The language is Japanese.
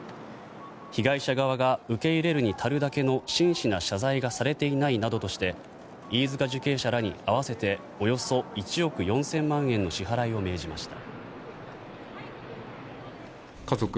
被害者側が受け入れるに足るだけの真摯な謝罪がされていないなどとして飯塚受刑者らに合わせておよそ１億４０００万円の支払いを命じました。